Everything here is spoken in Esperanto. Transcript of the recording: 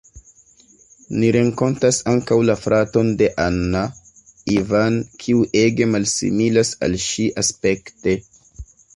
Ni renkontas ankaŭ la fraton de Anna, Ivan, kiu ege malsimilas al ŝi aspekte.